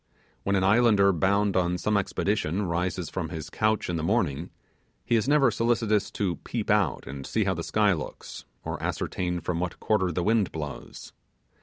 When an islander bound on some expedition rises from his couch in the morning, he is never solicitous to peep out and see how the sky looks, or ascertain from what quarter the wind blows.